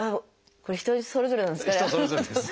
人それぞれなんですかね。